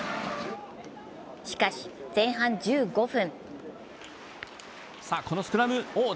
しかし、前半１５分。